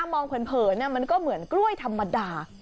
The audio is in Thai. มองเผินมันก็เหมือนกล้วยธรรมดา